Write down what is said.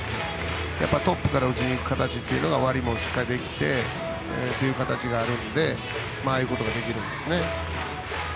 トップから打ちに行く形で終わりもしっかりできてという形があるのでああいうことができるんですね。